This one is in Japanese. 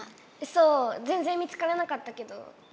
そうぜんぜん見つからなかったけど。